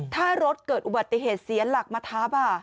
ถ้ารถเกิดอุบัติเหตุเสียหลักมาทับ